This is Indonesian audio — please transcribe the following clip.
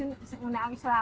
ini anaknya selamat